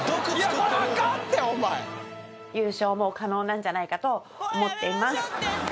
これあかんってお前優勝も可能なんじゃないかと思っています